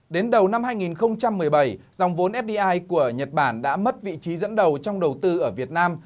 đến đầu năm hai nghìn một mươi bảy dòng vốn fdi của nhật bản đã mất vị trí dẫn đầu trong đầu tư ở việt nam